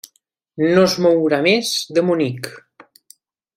No es mourà més de Munic.